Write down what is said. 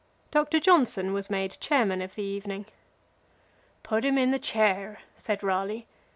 Doctor Johnson was made chairman of the evening. "Put him in the chair," said Raleigh.